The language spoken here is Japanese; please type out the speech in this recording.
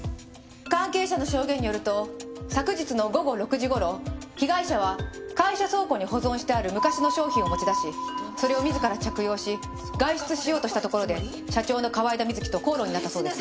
関係者の証言によると昨日の午後６時頃被害者は会社倉庫に保存してある昔の商品を持ち出しそれを自ら着用し外出しようとしたところで社長の河井田瑞希と口論になったそうです。